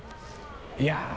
いや。